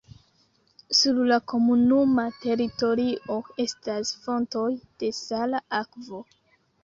Sur la komunuma teritorio estas fontoj de sala akvo.